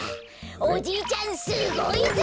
おじいちゃんすごいぞ！